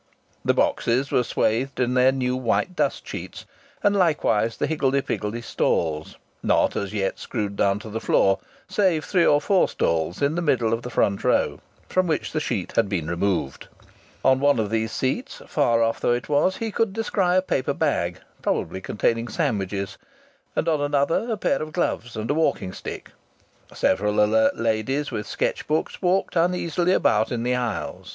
The boxes were swathed in their new white dust sheets; and likewise the higgledy piggledy stalls, not as yet screwed down to the floor, save three or four stalls in the middle of the front row, from which the sheet had been removed. On one of these seats, far off though it was, he could descry a paper bag probably containing sandwiches and on another a pair of gloves and a walking stick. Several alert ladies with sketch books walked uneasily about in the aisles.